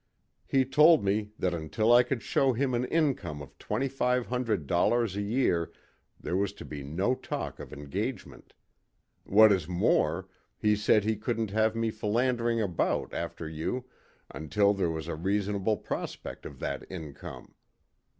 He told me that until I could show him an income of $2,500 a year there was to be no talk of engagement. What is more, he said he couldn't have me philandering about after you until there was a reasonable prospect of that income.